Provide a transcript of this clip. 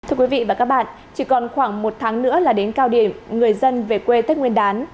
thưa quý vị và các bạn chỉ còn khoảng một tháng nữa là đến cao điểm người dân về quê tết nguyên đán